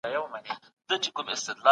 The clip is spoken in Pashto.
پخواني فکرونه تر اوسنيو فکرونو لږ منل کېږي.